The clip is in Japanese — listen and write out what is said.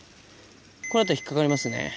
これだったら引っ掛かりますね。